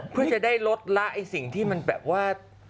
เพื่อจะได้ลดละสิ่งที่มันแบบว่า